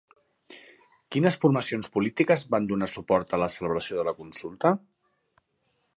Quines formacions polítiques van donar suport a la celebració de la consulta?